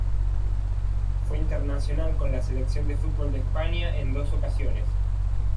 Fue internacional con la Selección de fútbol de España en dos ocasiones.